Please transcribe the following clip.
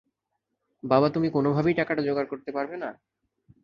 বাবা, তুমি কোন ভাবেই টাকাটা জোগাড় করতে পারবে না?